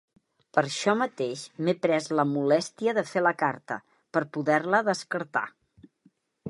Per això mateix m'he pres la molèstia de fer la carta, per poder-la descartar.